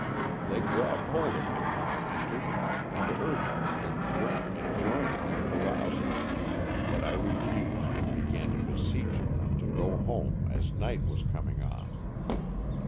They grabbed hold of me when I entered and urged me to drink and join in their carou sals, but I refused and began to beseech of them to go home as night was coming on.